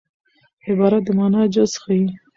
عبارت د مانا جز ښيي.